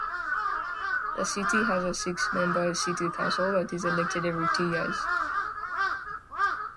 The city has a six-member City Council that is elected every two years.